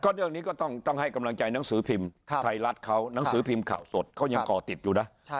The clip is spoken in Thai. เรื่องนี้ก็ต้องให้กำลังใจหนังสือพิมพ์ไทยรัฐเขาหนังสือพิมพ์ข่าวสดเขายังก่อติดอยู่นะ